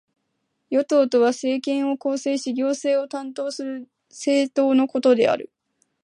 与党とは、政権を構成し行政を担当する政党のことである。